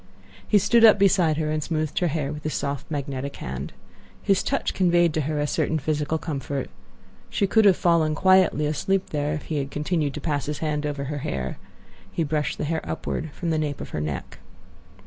He stood up beside her and smoothed her hair with his soft, magnetic hand. His touch conveyed to her a certain physical comfort. She could have fallen quietly asleep there if he had continued to pass his hand over her hair. He brushed the hair upward from the nape of her neck.